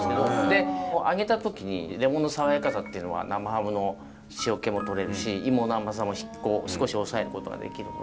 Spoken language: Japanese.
揚げた時にレモンの爽やかさというのは生ハムの塩気も取れるし芋の甘さも少し抑えることができるので。